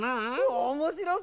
おもしろそう！